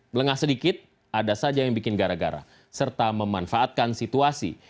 melengah sedikit ada saja yang bikin gara gara serta memanfaatkan situasi